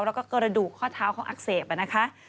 และก็กระดูกข้อเท้าของอักเสบอะนะคะ